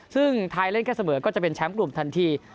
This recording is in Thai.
ซึ่งไทยเล่นแค่เสมอก็จะเป็นแชมป์กลุ่มทันที